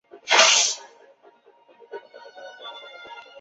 马泰绍尔考。